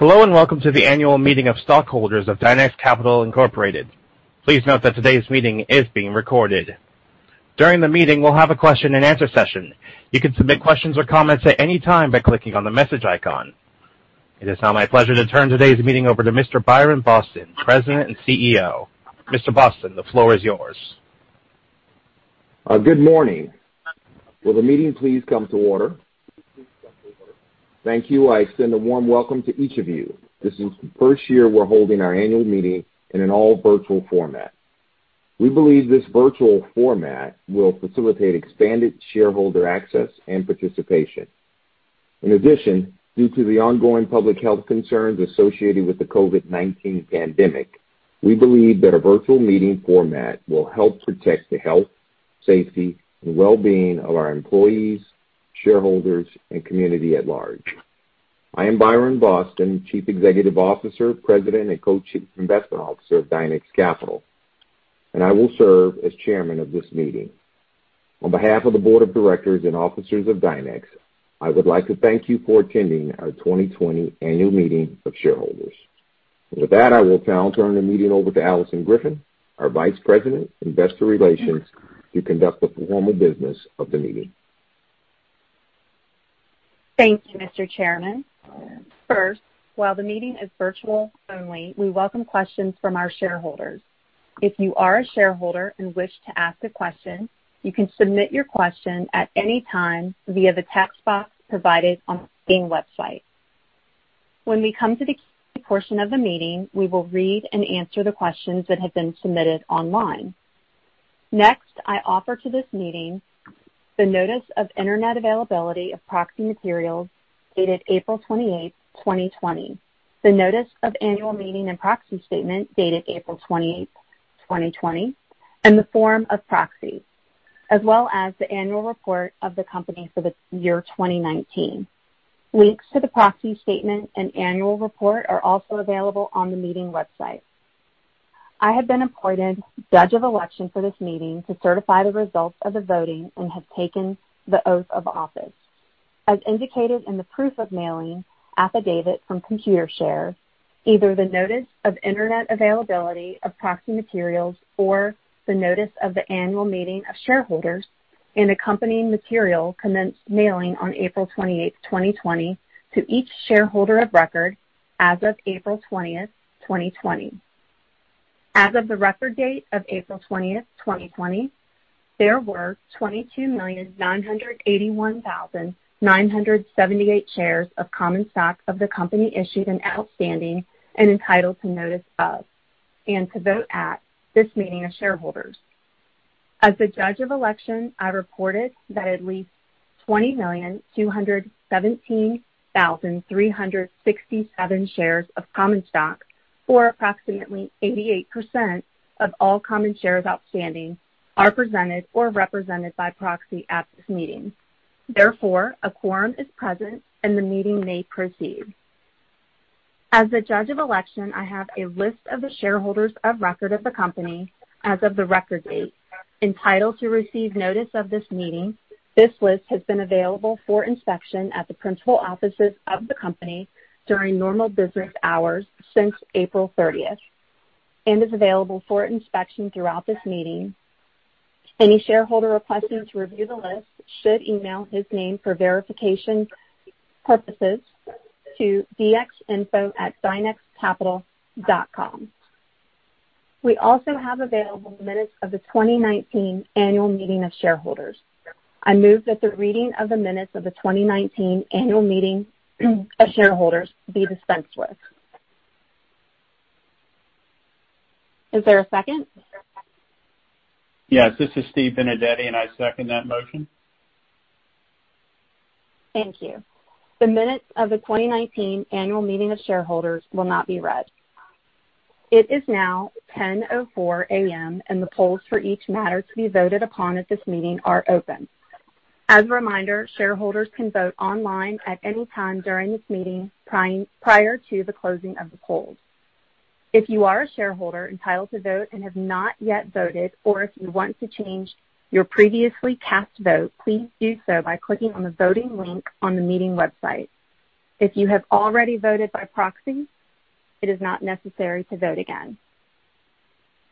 Hello, welcome to the Annual Meeting of Stockholders of Dynex Capital Incorporated. Please note that today's meeting is being recorded. During the meeting, we'll have a question-and-answer session. You can submit questions or comments at any time by clicking on the message icon. It is now my pleasure to turn today's meeting over to Mr. Byron Boston, President and CEO. Mr. Boston, the floor is yours. Good morning. Will the meeting please come to order? Thank you. I extend a warm welcome to each of you. This is the first year we're holding our annual meeting in an all virtual format. We believe this virtual format will facilitate expanded shareholder access and participation. In addition, due to the ongoing public health concerns associated with the COVID-19 pandemic, we believe that a virtual meeting format will help protect the health, safety, and well-being of our employees, shareholders, and community at large. I am Byron Boston, Chief Executive Officer, President, and Co-Chief Investment Officer of Dynex Capital, and I will serve as chairman of this meeting. On behalf of the Board of Directors and officers of Dynex, I would like to thank you for attending our 2020 annual meeting of shareholders. With that, I will now turn the meeting over to Alison Griffin, our Vice President, Investor Relations, to conduct the formal business of the meeting. Thank you, Mr. Chairman. First, while the meeting is virtual only, we welcome questions from our shareholders. If you are a shareholder and wish to ask a question, you can submit your question at any time via the text box provided on the meeting website. When we come to the Q&A portion of the meeting, we will read and answer the questions that have been submitted online. I offer to this meeting the Notice of Internet Availability of Proxy Materials dated April 28th, 2020, the Notice of Annual Meeting and Proxy Statement dated April 28th, 2020, and the Form of Proxy, as well as the annual report of the company for the year 2019. Links to the proxy statement and annual report are also available on the meeting website. I have been appointed Judge of Election for this meeting to certify the results of the voting and have taken the oath of office. As indicated in the proof of mailing affidavit from Computershare, either the Notice of Internet Availability of Proxy Materials or the Notice of the Annual Meeting of Shareholders and accompanying material commenced mailing on April 28, 2020 to each shareholder of record as of April 20, 2020. As of the record date of April 20, 2020, there were 22,981,978 shares of common stock of the company issued and outstanding and entitled to notice of, and to vote at this meeting of shareholders. As the Judge of Election, I reported that at least 20,217,367 shares of common stock, or approximately 88% of all common shares outstanding, are presented or represented by proxy at this meeting. Therefore, a quorum is present, and the meeting may proceed. As the Judge of Election, I have a list of the shareholders of record of the company as of the record date entitled to receive notice of this meeting. This list has been available for inspection at the principal offices of the company during normal business hours since April 30th and is available for inspection throughout this meeting. Any shareholder requesting to review the list should email his name for verification purposes to dxinfo@dynexcapital.com. We also have available the minutes of the 2019 Annual Meeting of Shareholders. I move that the reading of the minutes of the 2019 Annual Meeting of Shareholders be dispensed with. Is there a second? Yes, this is Steve Benedetti, and I second that motion. Thank you. The minutes of the 2019 Annual Meeting of Shareholders will not be read. It is now 10:04 A.M., and the polls for each matter to be voted upon at this meeting are open. As a reminder, shareholders can vote online at any time during this meeting prior to the closing of the polls. If you are a shareholder entitled to vote and have not yet voted, or if you want to change your previously cast vote, please do so by clicking on the voting link on the meeting website. If you have already voted by proxy, it is not necessary to vote again.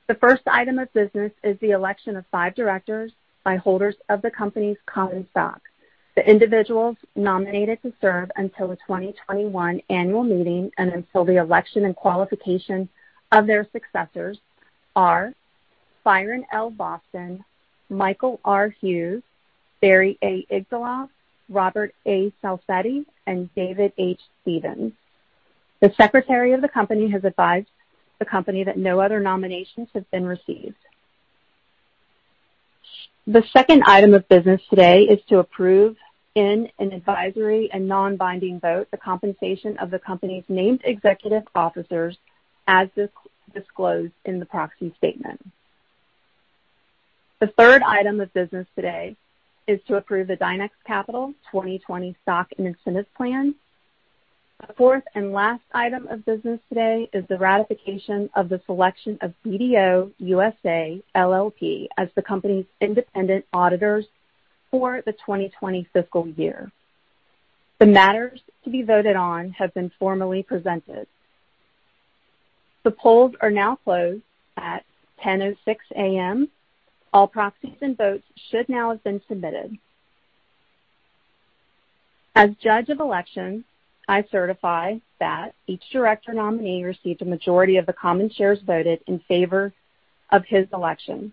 The first item of business is the election of five directors by holders of the company's common stock. The individuals nominated to serve until the 2021 annual meeting and until the election and qualification of their successors are Byron L. Boston, Michael R. Hughes, Barry A. Igdaloff, Robert A. Salcetti, and David H. Stevens. The secretary of the company has advised the company that no other nominations have been received. The second item of business today is to approve, in an advisory and non-binding vote, the compensation of the company's named executive officers as disclosed in the proxy statement. The third item of business today is to approve the Dynex Capital 2020 Stock and Incentive Plan. The fourth and last item of business today is the ratification of the selection of BDO USA, LLP as the company's independent auditors for the 2020 fiscal year. The matters to be voted on have been formally presented. The polls are now closed at 10:06 A.M. All proxies and votes should now have been submitted. As Judge of Election, I certify that each director nominee received a majority of the common shares voted in favor of his election.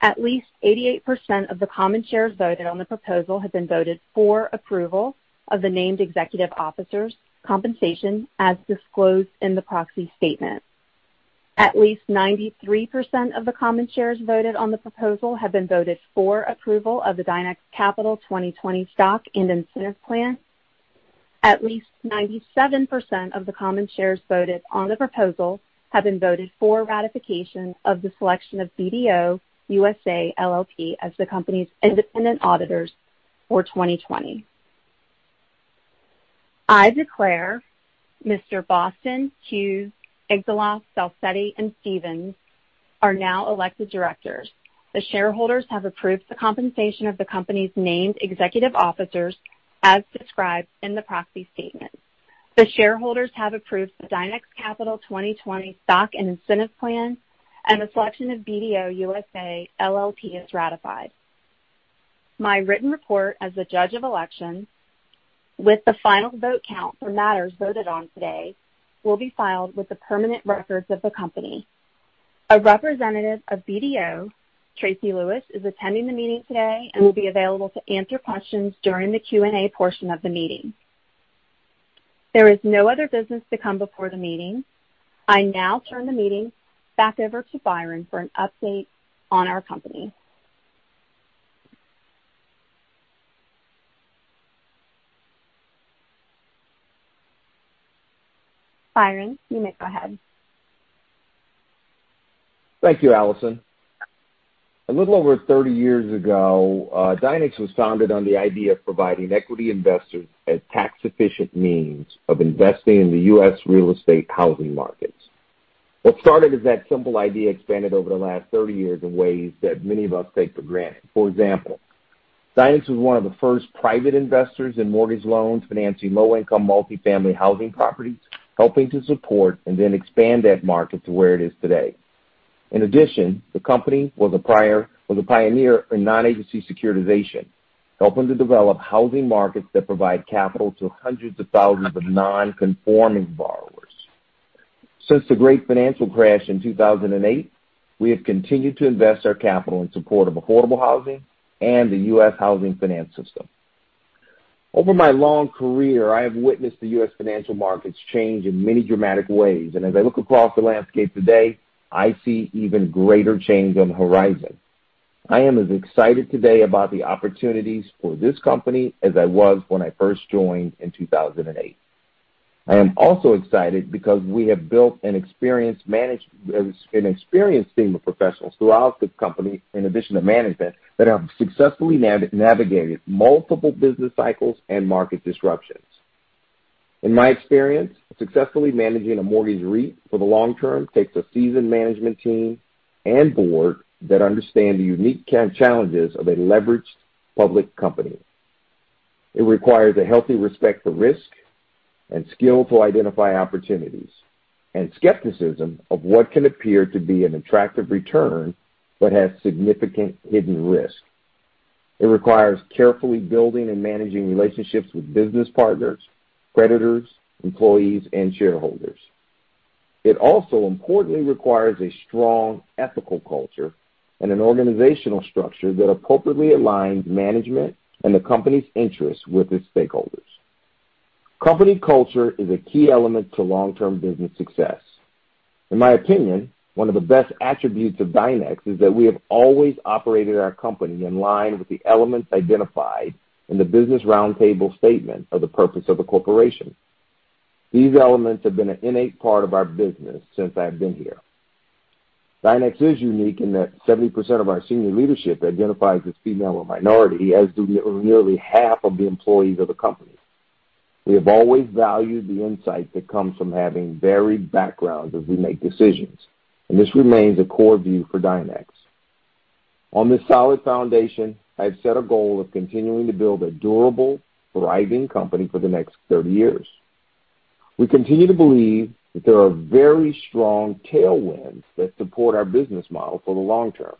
At least 88% of the common shares voted on the proposal have been voted for approval of the named executive officers' compensation as disclosed in the proxy statement. At least 93% of the common shares voted on the proposal have been voted for approval of the Dynex Capital 2020 Stock and Incentive Plan. At least 97% of the common shares voted on the proposal have been voted for ratification of the selection of BDO USA, LLP as the company's independent auditors for 2020. I declare Mr. Boston, Hughes, Igdaloff, Salcetti, and Stevens are now elected directors. The shareholders have approved the compensation of the company's named executive officers as described in the proxy statement. The shareholders have approved the Dynex Capital 2020 Stock and Incentive Plan, and the selection of BDO USA, LLP is ratified. My written report as the Judge of Election with the final vote count for matters voted on today will be filed with the permanent records of the company. A representative of BDO, Tracy Lewis, is attending the meeting today and will be available to answer questions during the Q&A portion of the meeting. There is no other business to come before the meeting. I now turn the meeting back over to Byron for an update on our company. Byron, you may go ahead. Thank you, Alison. A little over 30 years ago, Dynex was founded on the idea of providing equity investors a tax-efficient means of investing in the U.S. real estate housing markets. What started as that simple idea expanded over the last 30 years in ways that many of us take for granted. For example, Dynex was one of the first private investors in mortgage loans financing low-income multi-family housing properties, helping to support and then expand that market to where it is today. In addition, the company was a pioneer in non-agency securitization, helping to develop housing markets that provide capital to hundreds of thousands of non-conforming borrowers. Since the great financial crash in 2008, we have continued to invest our capital in support of affordable housing and the U.S. housing finance system. Over my long career, I have witnessed the U.S. financial markets change in many dramatic ways, and as I look across the landscape today, I see even greater change on the horizon. I am as excited today about the opportunities for this company as I was when I first joined in 2008. I am also excited because we have built an experienced team of professionals throughout the company, in addition to management, that have successfully navigated multiple business cycles and market disruptions. In my experience, successfully managing a mortgage REIT for the long term takes a seasoned management team and board that understand the unique challenges of a leveraged public company. It requires a healthy respect for risk and skill to identify opportunities, and skepticism of what can appear to be an attractive return but has significant hidden risk. It requires carefully building and managing relationships with business partners, creditors, employees, and shareholders. It also importantly requires a strong ethical culture and an organizational structure that appropriately aligns management and the company's interests with its stakeholders. Company culture is a key element to long-term business success. In my opinion, one of the best attributes of Dynex is that we have always operated our company in line with the elements identified in the Business Roundtable statement for the purpose of a corporation. These elements have been an innate part of our business since I've been here. Dynex is unique in that 70% of our senior leadership identifies as female or minority, as do nearly half of the employees of the company. We have always valued the insight that comes from having varied backgrounds as we make decisions, and this remains a core view for Dynex. On this solid foundation, I have set a goal of continuing to build a durable, thriving company for the next 30 years. We continue to believe that there are very strong tailwinds that support our business model for the long term.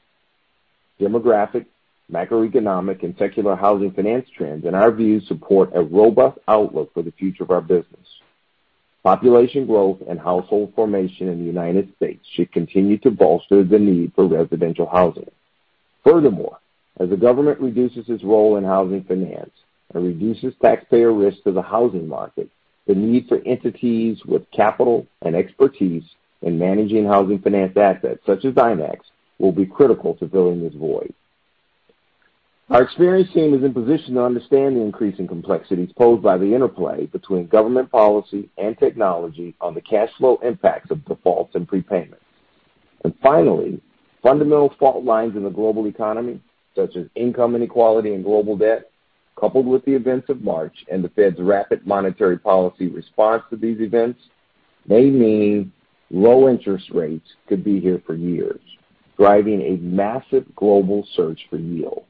Demographic, macroeconomic, and secular housing finance trends, in our view, support a robust outlook for the future of our business. Population growth and household formation in the United States should continue to bolster the need for residential housing. Furthermore, as the government reduces its role in housing finance and reduces taxpayer risk to the housing market, the need for entities with capital and expertise in managing housing finance assets, such as Dynex, will be critical to filling this void. Our experienced team is in position to understand the increasing complexities posed by the interplay between government policy and technology on the cash flow impacts of defaults and prepayments. Finally, fundamental fault lines in the global economy, such as income inequality and global debt, coupled with the events of March and the Fed's rapid monetary policy response to these events may mean low interest rates could be here for years, driving a massive global search for yield.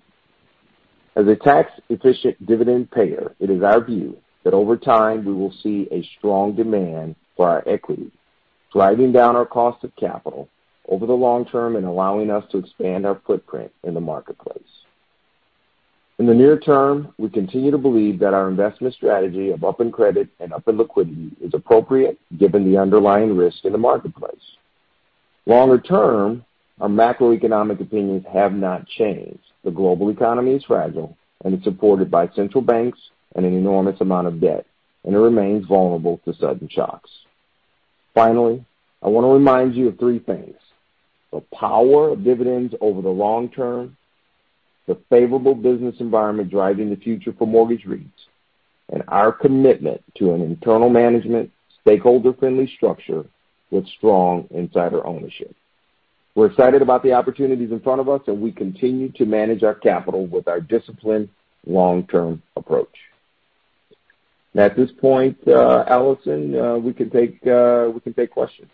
As a tax-efficient dividend payer, it is our view that over time we will see a strong demand for our equity, driving down our cost of capital over the long term and allowing us to expand our footprint in the marketplace. In the near term, we continue to believe that our investment strategy of up in credit and up in liquidity is appropriate given the underlying risk in the marketplace. Longer term, our macroeconomic opinions have not changed. The global economy is fragile, and it's supported by central banks and an enormous amount of debt, and it remains vulnerable to sudden shocks. Finally, I want to remind you of three things: the power of dividends over the long term, the favorable business environment driving the future for mortgage REITs, and our commitment to an internal management, stakeholder-friendly structure with strong insider ownership. We're excited about the opportunities in front of us, and we continue to manage our capital with our disciplined long-term approach. At this point, Alison, we can take questions.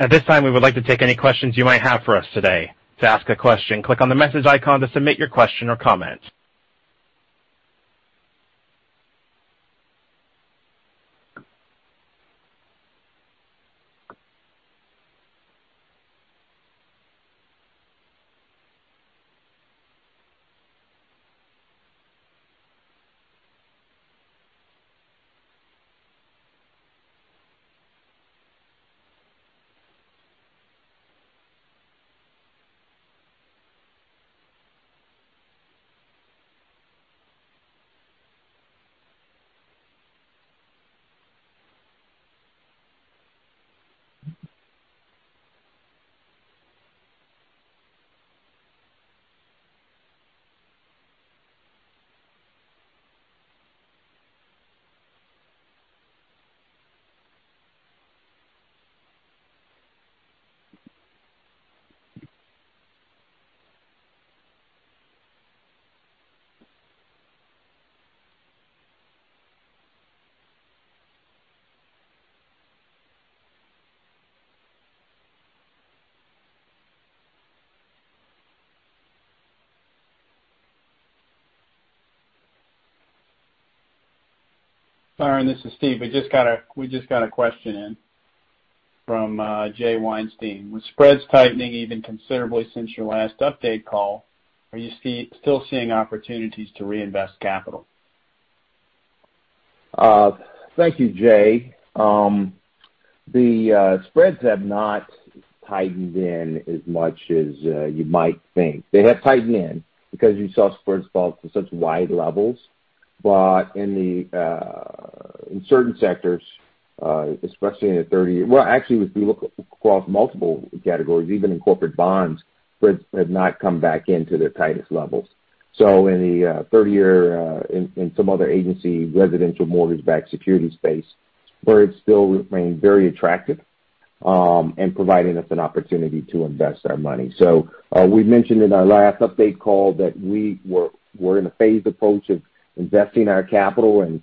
At this time, we would like to take any questions you might have for us today. To ask a question, click on the message icon to submit your question or comment. Byron, this is Steve. We just got a question in from Jay Weinstein. With spreads tightening even considerably since your last update call, are you still seeing opportunities to reinvest capital? Thank you, Jay. The spreads have not tightened in as much as you might think. They have tightened in because you saw spreads fall to such wide levels. In certain sectors, especially in the 30-year, well, actually, if you look across multiple categories, even in corporate bonds, spreads have not come back in to their tightest levels. In the 30-year, in some other agency residential mortgage-backed securities space, spreads still remain very attractive, and providing us an opportunity to invest our money. We mentioned in our last update call that we were in a phased approach of investing our capital and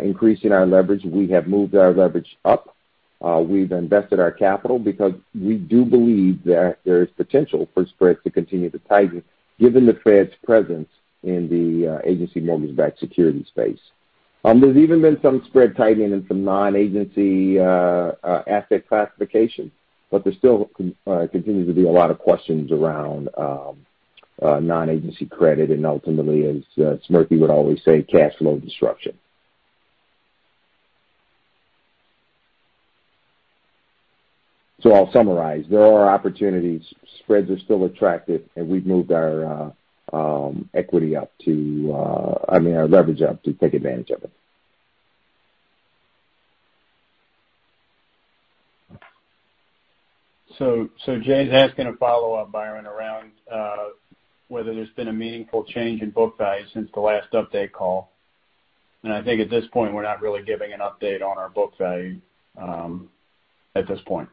increasing our leverage. We have moved our leverage up. We've invested our capital because we do believe that there is potential for spreads to continue to tighten given the Fed's presence in the agency mortgage-backed securities space. There's even been some spread tightening in some non-agency asset classification, but there still continues to be a lot of questions around non-agency credit and ultimately, as Smriti would always say, cash flow disruption. I'll summarize. There are opportunities. Spreads are still attractive, and we've moved our equity up to I mean, our leverage up to take advantage of it. Jay's asking a follow-up, Byron, around whether there's been a meaningful change in book value since the last update call. I think at this point, we're not really giving an update on our book value at this point.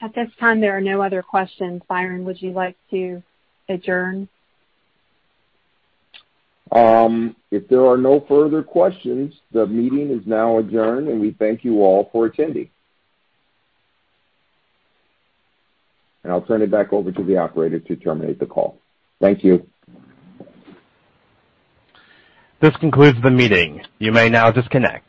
At this time, there are no other questions. Byron, would you like to adjourn? If there are no further questions, the meeting is now adjourned, and we thank you all for attending. I'll turn it back over to the operator to terminate the call. Thank you. This concludes the meeting. You may now disconnect.